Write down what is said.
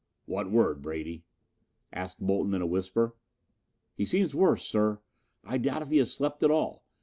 "What word, Brady?" asked Bolton in a whisper. "He seems worse, sir. I doubt if he has slept at all.